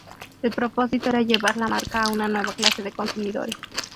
El propósito era llevar la marca a una nueva clase de consumidores.